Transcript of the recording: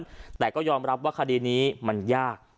แต่ก็ยอมรับว่าคดีนี้มันยาก